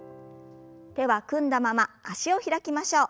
手は組んだまま脚を開きましょう。